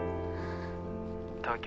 東京